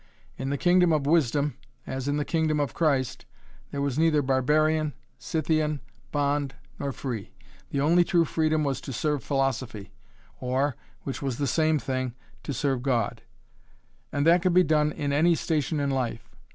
In the kingdom of wisdom, as in the kingdom of Christ, there was neither barbarian, Scythian, bond, nor free. The only true freedom was to serve philosophy, or, which was the same thing, to serve God; and that could be done in any station in life.